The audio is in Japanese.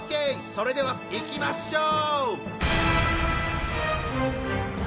それではいきましょう！